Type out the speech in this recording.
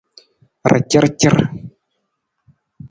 Racarcar.